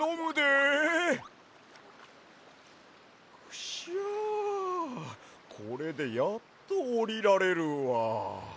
クシャこれでやっとおりられるわ。